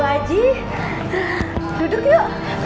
bu aji duduk yuk